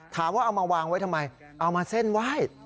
ถามว่าเอามาวางไว้ทำไมเอามาเส้นไหว้